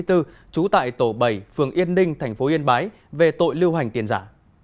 trú tại tổ bảy phường yên ninh thành phố yên bái về tội lưu hành tiền giả